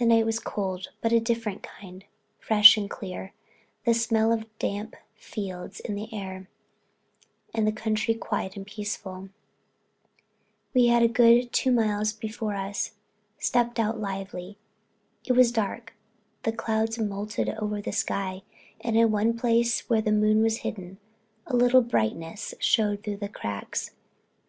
The night was cold, but a different kind; fresh and clear, the smell of the damp fields in the air, and the country quiet and peaceful. We had a good two miles before us and stepped out lively. It was dark; the clouds mottled over the sky; and in one place, where the moon was hidden, a little brightness showing through the cracks.